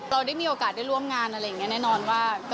เราได้มีโอกาสได้ร่วมงานอะไรอย่างนี้แน่นอนว่า